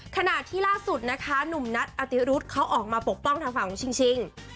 ขณะที่ล่าสุดนะคะหนุ่มนัทอติรุธเขาออกมาปกป้องทางฝั่งของชิง